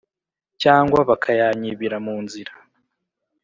cyangwa bakayanyibira mu nzira.